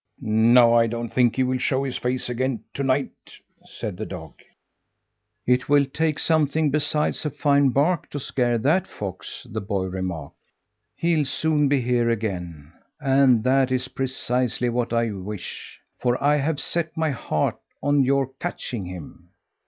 "Now I don't think he will show his face again to night!" said the dog. "It will take something besides a fine bark to scare that fox!" the boy remarked. "He'll soon be here again, and that is precisely what I wish, for I have set my heart on your catching him."